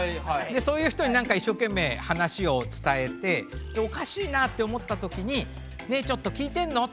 でそういう人になんか一生懸命話を伝えておかしいなって思ったときに「ねえちょっと聞いてんの？」って言う。